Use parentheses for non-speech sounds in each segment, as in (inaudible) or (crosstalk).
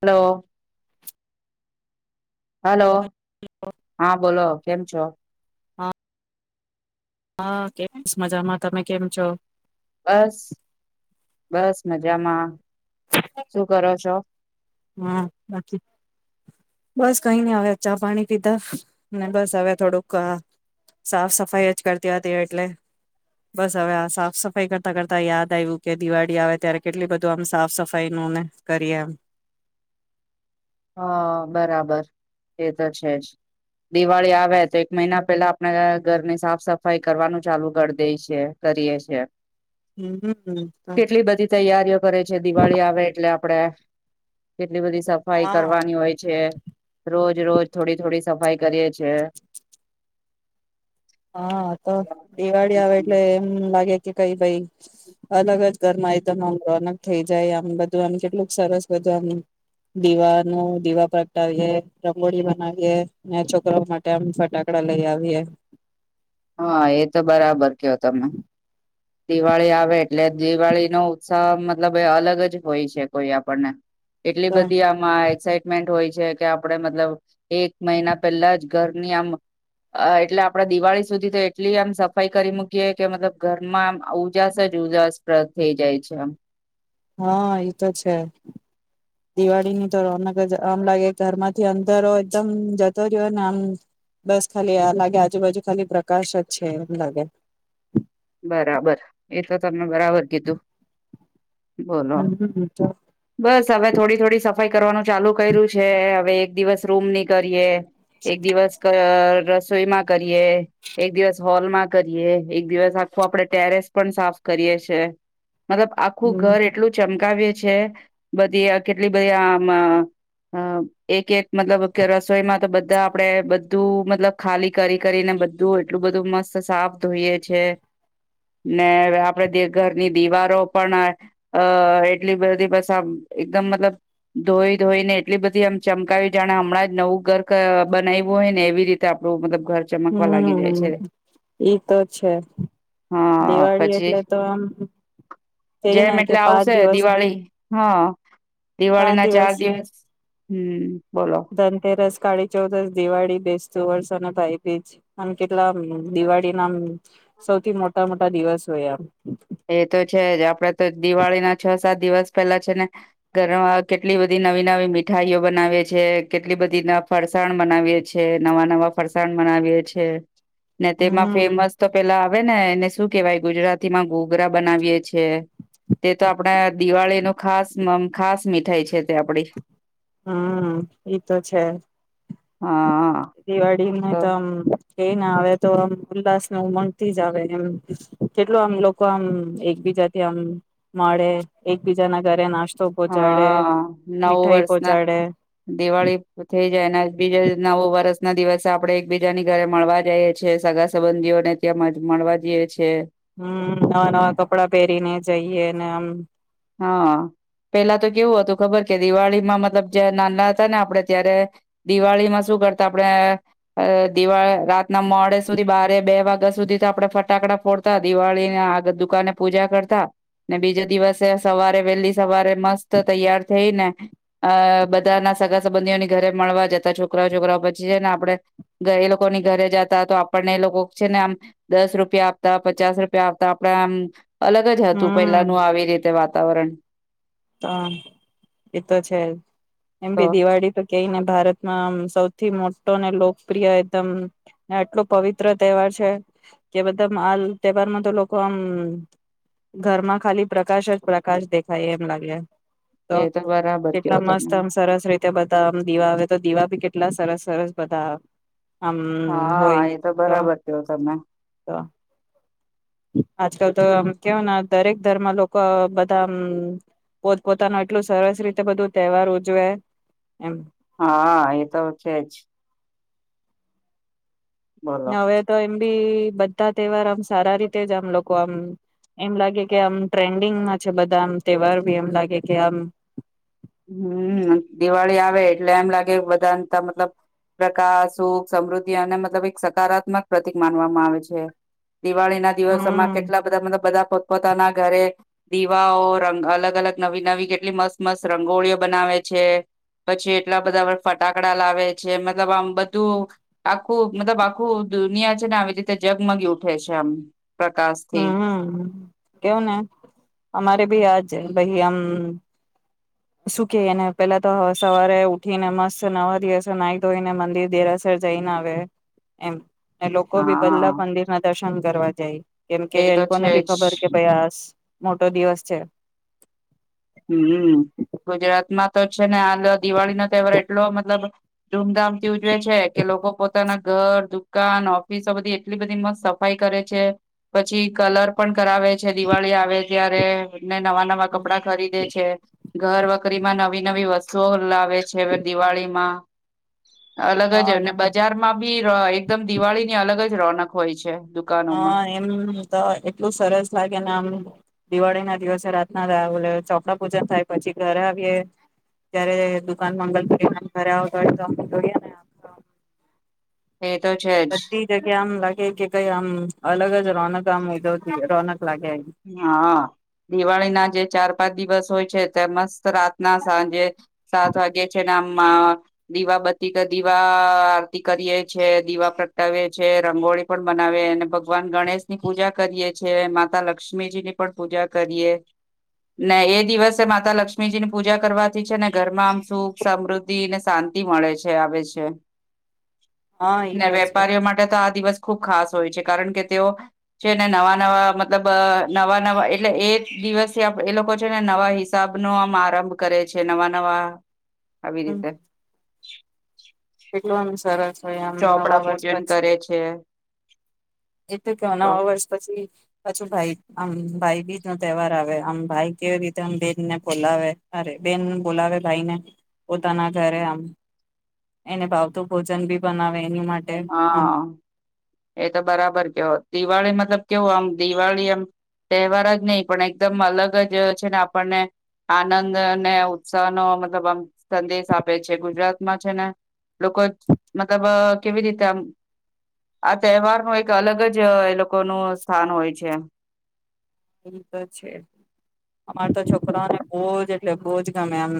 Hello. Hello હા બોલો. કેમ છો. હા કેવી મજામાં તમે કેમ છો. બસ બસ મજામાં શું કરો છો. હમ્મ બાકી બસ કઈ નને હવે ચા પાણી પીધા બસ હવે થોડુંક સાફ સફાઈ જ કરતી હતી એટલે બસ હવે આ સાફ સફાઈ કરતા કરતા યાદ આવ્યું કે દિવાળી આવે ત્યારે કેટલી બધું આમ સાફ સફાઈ નુ ને કરીએ એમ. હા બરાબર એ તો છેજ દિવાળી આવે તો એક મહિના પેલા આપણે ઘરની સાફ સફાઈ કરવાનું ચાલુ કરી દે છે કરીએ છે. હમ કેટલી બધી તૈયારીઓ કરે છે દિવાળી આવે એટલે આપડે. કેટલી બધી સફાઈ હા કરવાની હોય છે રોજ રોજ થોડી થોડી સફાઈ કરીએ છે. હા તો દિવાળી આવે એટલે એમ લાગે. કે કઈ ભાઈ અલગ જ ઘરમાં એ તો ન રોનક થઈ જાય આમ બધું આમ કેટલુંક સરસ બધું આમ દીવા ન દીવા પ્રગટાવીએ રંગોળી બનાવીએ ને છોકરા માટે આમ ફટાકડા લઈ આવીએ. હા એ તો બરાબર કયો તમે. દિવાળી આવે એટલે. દિવાળી નો ઉત્સાહ મતલબ એ અલગ જ હોય છે કોઈ આપણને. એટલી તો બધી આમાં. એક્સાઇટમેન્ટ હોય છે કે આપણેે મતલબ એક મહિના પહેલા જ ઘરની આમ એટલે આપડા દિવાળી સુધી તો એટલી આમ સફાઈ કરી મૂકીએ કે મતલ ઘર માં ઉજાસ જ ઉજાસપ્રદ થઈ જાય છેમ. હા એતો છે દિવાળી ની તો રોનક આમ લાગે ઘરમાંથી અંદરો એકદમ જતો રહ્યો ને આમ બસ ખાલી આમ લાગે આજુબાજુ ખાલી પ્રકાશ જ છે એમ લાગે. બરાબર એ તો તમને બરાબર કીધું. બોલો હમ્મ હમ્મ. બસ હવે થોડી થોડી સફાઈ કરવાનું ચાલુ કર્યું છે. હવે એક દિવસ રૂમ ની કરીએ. એક દિવસ રસોઈમાં કરીએ એક દિવસ હોલમાં કરીએ એક દિવસ આખું આપડે ટેરેસ પણ સાફ કરીએ છે. મતલબ આખું ઘર એટલું ચમ ચમ કા વિયે છે બધી કેટલી બધી આમ એક એક મતલબ કે રસોઈમાં તો બધા આપણેે બધું મતલબ ખાલી કરી કરીને બધું એટલું બધું મસ્ત સાફ ધોઈએ છે ને આપડે ઘરની દિવારો પણ અ એટલી બધી એકદમ મતલબ ધોઈ ધોઈને એટલી બધી આમ ચમકાવી જાણે હમણાં જ નવું ઘર બનાવવું હોય ને એવી રીતે આપડું મતલબ ઘર ચમકવા લાગી જાય હમ્મ છે ઈ તો છે હા દિવાળી પછી એટલે તો આમ કઈને જેમ કે એટલે પાંચ આવશે દિવસ દિવાળી હા દિવાળી ના ચાર દિવસ હમ્મ ધનતેરસ કાળી ચૌદસ દિવાળી બેસતું વર્ષ અને ભાઈબીજ આમ કેટલામ દિવાળી ના સૌથી મોટા મોટા દિવસ હોય આમ એ તો છે જ આપડે તો દિવાળી ના છ સાત દિવસ પહેલા છે ને ઘરમાં કેટલી બધી નવી નવી મીઠાઈઓ બનાવીએ છે કેટલી બધી ફરસાણ બનાવીએ છે નવા નવા ફરસાણ મનાવીએ છે ને તેમાં હમ ફેમસ તો પેલા હોવેને ને એને શું કેવાય ગુજરાતીમાં ગ ગુગરા બનાવીએ છે તે તો આપડા દિવાળી ન ખાસ ખાસ મીઠાઈ છે તે આપડી હમ્મ એ તો છે હા દિવાળી તો તોમ ક ના આવે તો આમ ઉલ્લાાસ ન ઉમંગ થી જ આવે એમ કેટલું આમ લોકો આમ એકબીજાથી આમ મળે એકબીજા ના ઘરે નાસ્ હા નવ વર્ષ ના પહોંચાડે દિવાળી થઈ જાય અને બીજા નવું વર્ષ ના દિવસે આપડણે એકબીજાની ઘરે મળવા જઈએ છીએ સગા સંબંધીઓને ત્યાં મળવા જઈએ છ છેએ હમ નવા નવા કપડાં પહેરીને જઈએ ને આમ હા પેલા તો કેવું હતું ખબર કે દિવાળીમાં મતલબ જ નાના હતા ને આપડે ત્યારે દિવાળીમાં શું કરતા આપણે દિવા રાતના મોડે સુધી બારે બે વાગ્યા સુધી તો આપડે ફટાકડા ફોડતા દિવાળીને આગ દુકાને પૂજા કરતા બીજો દિવસ સવારે વહેલી સવારે મસ્ત તૈયાર થઈ ને અ બધા ના સગા સંબંધીઓની ઘરે મળવા જતા છોકરાઓ છોકરાઓ પછી છે ને આપે એ લોકોની ઘરે જતા તો આપણને એ લોકો છે ને આમ દસ રૂપિયા આપતા પચાસ રૂપિયા આપતા આપણેે આમ અલગ જ હતું હમ પહેલાનુંું આવી રત વાતાવરણ તો એતો છે તો એમી દિવાળી તો કેને ભારતમાં આમ સૌથી મોટો અનેને લોકપ્રિય એકદમ આટલો પવિત્ર તહેવાર છે કે બધા આ તહેવારમાં તો લોકો આમ ઘરમાં ખાલી પ્રકાશ જ પ્રકાશ દેખાય એ લાગે તો એ બરાબર કેટલા કયો મસ્ત તમે. આમ સરસ રીતે બધા આમ દીવા આવે તો દીવા કેટલા સરસ સરસ બધા આમ હા એ તો બરાબર કયો તમે તો આજકાલ તો આમ કેવય ને દરેક ધર્મ લોકો બધા પોત પોતાનું એટલું સરસ રીતે બધું તહેવાર ઉજવે એમ હા એ તો છેજ હવે તો બી બધા તહેવાર આમ સારા રીતે જ આમ લોકો આમ એમ લાગે કે આમ ટ્રેન્ડિંગમાં છે બધા આમ તહેવાર બી એમ લાગે કે આમ હમ દિવાળી આવે એટલે એમ લાગે બધા મતલબ પ્રકાશ સુખ સમૃદ્ધિ અને મતલબ એક સકારાત્મક પ્રતિક માનવામાં આવે છે દિવાળી ના દિવસોમાં હમ કેટલા બધા મતલબ બધા પોતપોતાના ઘરે દીવાઓ રંગ અલગ અલગ નવી નવી કેટલી મસ્ત મસ્ત રંગોળીઓ બનાવે છે, પછી એટલા બધા ફટાકડા લાવે છે, મતલબ આમ બધું આખું મતલબ આખું દુનિયા છે ને આવી રીતે જગમગી ઉઠે છે આમ પ્રકાશથી હમ કેવું ને અમારે ભી આજ ભઈ આમ શું કે એને પેલા તો સવારે ઉઠીને મસ્ત નવા દિવસે નાહી ધોઈને મંદિર દેરાસર જઈને આવે. એમ અને લોકો ભી હા પેલા મંદિરના દર્શન કરવા જાય કેમ કે એ તો લોકોને છે ભી ખબર જ કે ભાઈ આ મોટો દિવસ છે હમ ગુજરાતમાં તો છે ને હાલ દિવાળીનો તહેવાર એટલો મતલબ ધૂમધામથી ઉજવે છે કે લોકો પોતાના ઘર, દુકાન, ઓફિસો બધી એટલી બધી મસ્ત સફાઈ કરે છે. પછી કલર પણ કરાવે છે દિવાળી આવે ત્યારે ને નવા નવા કપડાં ખરીદે છે. ઘર વકરીમાં નવી નવી વસ્તુઓ લાવે છે હવે દિવાળીમાં અલગ જ હા અને બજારમાં બી એકદમ દિવાળીની અલગ જ રોનક હોય છે. દુકાનોમાં હહ એમ તો એટલું સરસ લાગે ને આમ દિવાળી ના દિવસે રાતના ઓલા ચોપડા પૂજન થાય. પછી ઘરે આવીએે ત્યારે દુકાન મંગલ દ ઘરે આવતા હોય તો અ જોઈએ ને (inaudible) એ તો છે જ બધી જગ્યા આમ લાગે કે કઈ આમ અલગ જ રોનક આમ ઉઘવતી રોનક લાગે હા દિવાળીના જે ચાર પાંચ દિવસ હોય છે તે મસ્ત રાતના સાંજે સાત વાગે છે ને આમ દીવાબતી કે દીવા આરતી કરીએ છે, દીવા પ્રગટાવએ છે, રંગોળી પણ બનાવીએ, અને ભગવાન ગણેશ ની પૂજા કરીએ છે માતા લક લક્ષ્મીજી ની પણ પૂજા કરીએ, ને એ દિવસે માતા લક્ષ્મીજી ની પૂજા કરવાથી છે ને ઘરમાં આમ સુખ, સમૃદ્ધિ ને શાંતિ મળે છે આવે છે હા એ ને તો છે વેપારીઓ માટે તો આ દિવસ ખુબ ખાસ હોય છે. કારણ કે તેઓ છેને નવા નવા મતલબ નવા નવા એટલે એ દિવસે આપ એ લોકો છે ને નવા હિસાબનો આમ આરંભ કરે છે. નવા નવા આવી રીતે કેટલો આમ સરસ હોય આમ નવા ચોપડા પૂજન કરે છે એ તો કે નવા વર્ષ પછી પછું ભાઈ આમ ભાઈબીજ નો તહેવાર આવે આમ ભાઈ કેવી રીતે આમ બેનને બોલાવે અરે બેન બોલાવે ભાઈને પોતાના ઘરે આમ એને ભાવતું ભોજન બી બનાવે એની માટે આમ હહ એ તો બરાબર કે દિવાળી મતલબ કેવું આમ દિવાળી આમ તહેવાર જ નઈ પણ એકદમ અલગ જ છે ને આપણને આનંદ ને ઉત્સાહનો મતલબ આમ સંદેશ આપે છે ગુજરાતમાં છે ને લોકો મતલબ એવી રીતે આ તહેવાર નું એક અલગ જ એ લોકો નો સ્થાન હોય છે એ તો છે અમાર તો છોકરાને બહજ એટલે બહુજ ગમે એમ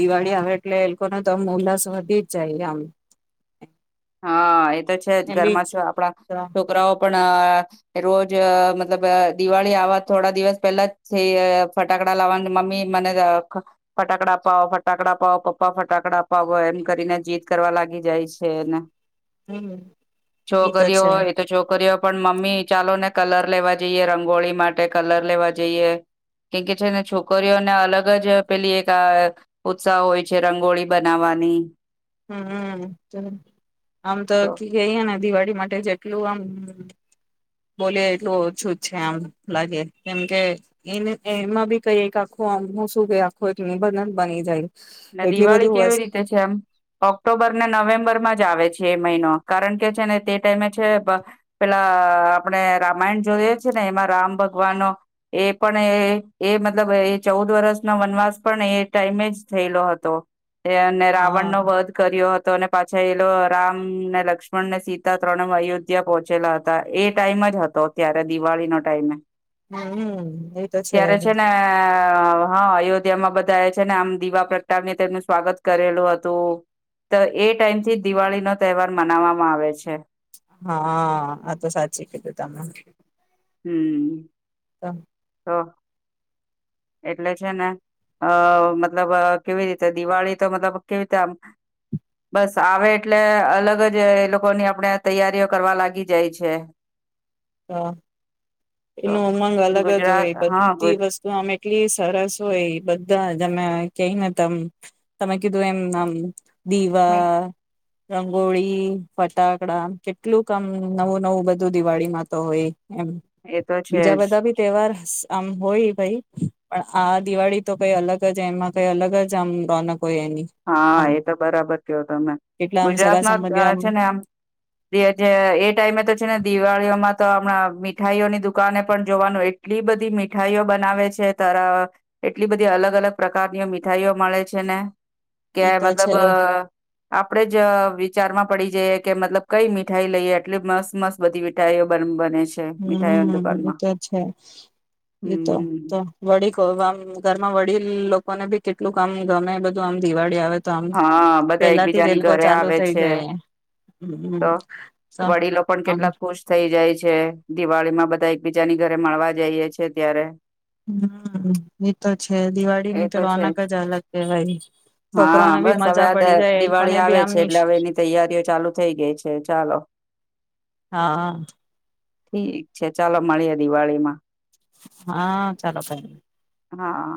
દિવાળી આવે એટલે એ લોકોને તો આ ઉલ્લાસ વધી જ જાય આમ હા એ તો છે જ એમ બીજ ઘરમાં છ આપણા છોકરાઓ પણ રોજ મતલબ દિવાળી આવવા થોડા દિવસ પેલા જ થ ફટાકડા લાવવા મમ્મી મને ફટાકડા અપાવો ફટાકડા અપાવો પપ્પા ફટાકડા અપાવો એમ કરીને જીદ કરવા લાગી જાય છે ને હમ એ તો છોકરીઓ છે હોય એ તો છોકરીઓ પણ મમ્મી ચાલો ને કલર લેવા જઈએે રંગોળી માટે કલર લેવા જઈએ કેમ કે છેને છોકરીઓને અલગ જ પેલી એક આ ઉત્સાહ હોય છે રંગોળી બનાવવાની હમ ચ (unintelligible) આમ તો ક ગઈ હે ને દિવાળી (unintelligible) માટે જેટલું આમ બોલયે એટલું ઓછું જ છે આમ લાગે કેમકે એને એમાં બી કઈ આખું આમ હું શું કે આખું એ નિબંધ બની જાય ના એટલી દિવાળી બધું કેવી વસ્ત રીતે છે એમ ઓક્ટોબર ને નવેમ્બર માં જ આવે છે એ મહિનો કારણ કે છે ને તે ટાઈમે છે પેલા આપણે રામાયણ જોઈએ છે ને એમાં રામ ભગવાનનો એ પણ એ એ મતલબ એ ચૌદ વરષનો વનવાસ પણ એ ટાઈમે જ થયેલો હતો એ અને રાવણનો હા વધ કર્યો હત તો અને પાછા એલો રામને લક્ષ્મણ ને સીતા ત્રણે અયોધ્યા પહોંચેલા હતા એ ટાઈમ જ હતો ત્યારે દિવાળીનો ટાઈમે. હમ્મ એ તો છે. હ હ અયોધ્યા માં બધાએ છે ને આમ દીવા પ્રગટાવને તેમનું સ્વાગત કરેલું હતું તો એ ટાઈમ થી દિવાળી નો તહેવાર મનાવામાં આવે છે. હા આ તો સાચી કીધું તમે. હમ્મ. ત. હા. એટલે છે ને અ મતલબ કેવી રીતે દિવાળી તો મતલબ કેવી રીતે આ બસ આવે એટલે અલગ જ એ લોકોની આપણે તૈયારીઓ કરવા લાગી જાય છે. હા તો એનો ઉમંગ અલગ જ ગુજરાત હોય હા ગુ બધી વસ્તુ અમે કેટલી સરસ હોય એ બધા જમે કઈને ત તમે કીધું એમ આમ દીવા રંગોળી, ફટાકડા કેટલું કામ નવું નવું બધું દિવાળી માં. તો હોય. એમ એ તો છે બીજા જ બધા બી તહેવાર આમ હોય ભઈ પણ આ દિવાળી તો કઈ અલગ જ એમાં કઈ અલગ જ આમ રોનક હોય એની હા આમ એ તો બરાબર કયો તમે કેટલા આમ સગા ગુજરાતમાં અ સંબંધી છે ને આમ (unintelligible) એ ટાઈમે તો છે ને દિવાળીઓમાં તો હમણાં મીઠાઈઓની દુકાને પણ જોવાનું એટલી બધી મીઠાઈઓ બનાવે છે તાર એટલી બધી અલગ અલગ પ્રકારની મીઠાઈઓ મળે છે ને. કે ઈ તો મતલબ છે આપડે જ વી ચારમાં પડી જઈ કે મતલબ કઈ મીઠાઈ લઈએ એટલી મસ્ત મસ્ત બધી મીઠાઈઓ બન બને છે મીઠાઈઓની હમ્મ દુકાનમાં એતો છે એતો હમ તો વડી કો ઘરમાં વડીલ લો કોને બી કેટલુંક આમ ગમે બધું આમ દિવાળી આવે તો આમ હા બધા પેલાથી જ એ એકબીજાની લોકો ઘરે ચાલુ આવે થઈ છે જાય હમ તો તો વડીલો પણ આમ કેટલા ખુશ થઈ જાય છે. દિવાળી માં બધા એકબીજાની ઘરે મળવા જઈએ છેએ ત્યારે. હમ્મ એ તો છે દિવાળી ની તો રોનક જ અલગ કેવાય હા છોકરાને બસ હવે આ દિવાળી આવે છે એટલે હવે એની તૈયારીઓ ચાલુ થઈ ગઈ છે ચાલો. હા ઠીક છે ચાલો મળીએે દિવાળીમાં. હા ચાલો બાય. હા.